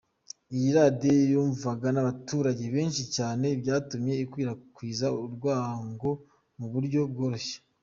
Iyi Radio yumvwaga n’abaturage benshi cyane, byatumye ikwirakwiza urwango mu buryo bworoshye.